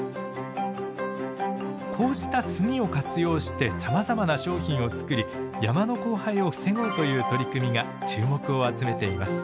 こうした炭を活用してさまざまな商品を作り山の荒廃を防ごうという取り組みが注目を集めています。